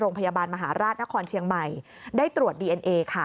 โรงพยาบาลมหาราชนครเชียงใหม่ได้ตรวจดีเอ็นเอค่ะ